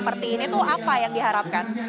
festival musik seperti ini tuh apa yang diharapkan